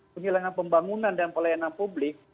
penghilangan pembangunan dan pelayanan publik